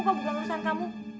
kok bukan urusan kamu